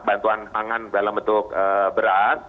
bantuan pangan dalam bentuk beras